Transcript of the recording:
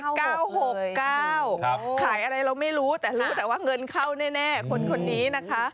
ขายอะไรเราไม่รู้แต่รู้แต่ว่าเงินเข้าแน่คนนี้นะคะ